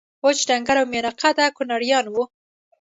وچ ډنګر او میانه قده کونړیان وو